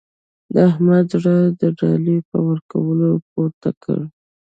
د احمد زړه يې د ډالۍ په ورکولو پورته کړ.